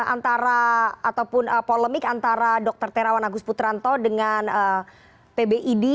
ataupun polemik antara dr terawan agus puteranto dengan pbid